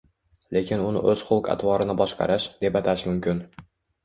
lekin uni o‘z xulq-atvorini boshqarish, deb atash mumkin.